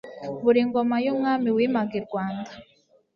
Buri ngoma y'umwami wimaga i Rwanda